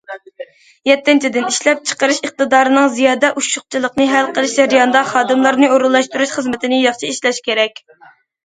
يەتتىنچىدىن، ئىشلەپچىقىرىش ئىقتىدارىنىڭ زىيادە ئوشۇقچىلىقىنى ھەل قىلىش جەريانىدا خادىملارنى ئورۇنلاشتۇرۇش خىزمىتىنى ياخشى ئىشلەش كېرەك.